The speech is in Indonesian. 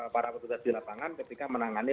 para petugas di lapangan ketika menangani